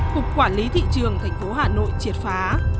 cục quản lý thị trường thành phố hà nội triệt phá